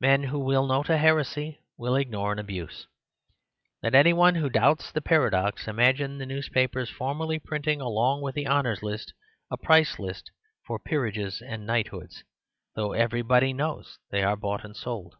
Men who will note a heresy will ignore an abuse. Let any one who doubts the paradox imagine the newspapers formally printing along with the Honours' List a price list, for peerages and knighthoods; though everybody knows they are bought and sold.